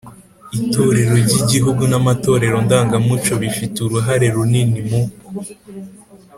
itorero ry’igihugu n’amatorero ndangamuco bifite uruhare runini mu